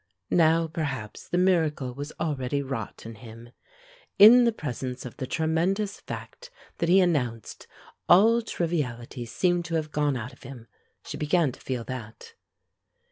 Now perhaps the miracle was already wrought in him, In the presence of the tremendous fact that he announced, all triviality seemed to have gone out of him; she began to feel that.